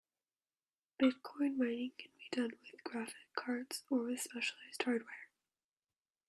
Bitcoin mining can be done with graphic cards or with specialized hardware.